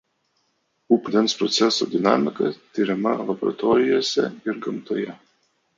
Upių vandens procesų dinamika tiriama laboratorijose ir gamtoje.